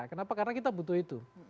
kenapa karena kita butuh itu